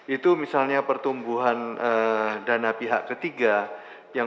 itu misalnya pertumbuhan dana pihak ketiga